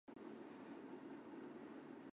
非受限自由球员可以自行选择签约的球队。